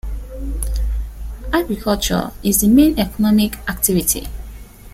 Agriculture is the main economic activity.